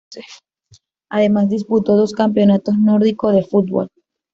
Además disputó dos campeonato nórdico de fútbol.